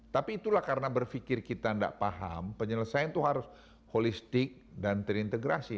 tapi itulah karena berpikir kita tidak paham penyelesaian itu harus holistik dan terintegrasi